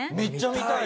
見たい！